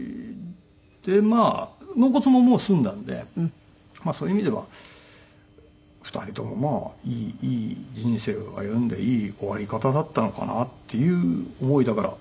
でまあ納骨ももう済んだんでそういう意味では２人ともいい人生を歩んでいい終わり方だったのかなっていう思いだから。